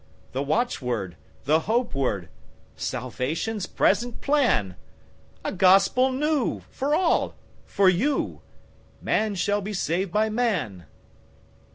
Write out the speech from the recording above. The watchword, the hope word, Salvation's present plan?A gospel new, for all—for you:Man shall be saved by man.